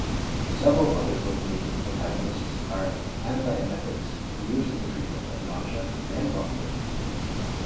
Several other dopamine antagonists are antiemetics used in the treatment of nausea and vomiting.